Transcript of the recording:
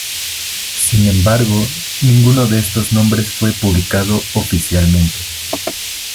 Sin embargo, ninguno de estos nombres fue publicado oficialmente.